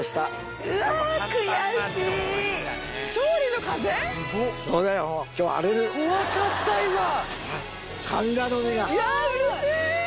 いやうれしい！